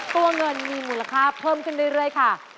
ตัวเงินมีมูลค่าเพิ่มขึ้นเรื่อยค่ะ